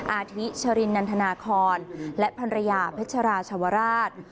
อาทิชรินนันทนาคอนและภรรยาเพชราชวราช